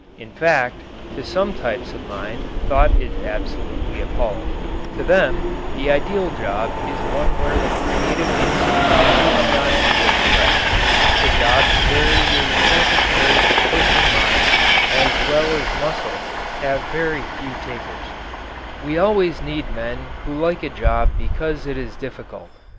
In fact, to some types of mind thought is absolutely appalling. To them the ideal job is one where the creative instinct need not be expressed. The jobs where it is necessary to put in mind as well as muscle have very few takers we always need men who like a job because it is difficult.